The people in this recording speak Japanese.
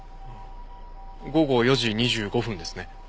午後４時２５分ですね。